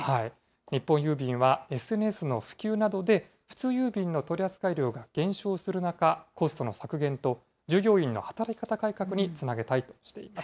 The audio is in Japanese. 日本郵便はＳＮＳの普及などで普通郵便の取扱量が減少する中、コストの削減と従業員の働き方改革につなげたいとしています。